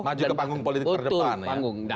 maju ke panggung politik terdepan panggung